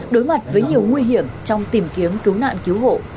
đối mặt với nhiều nguy hiểm trong tìm kiếm cứu nạn cứu hộ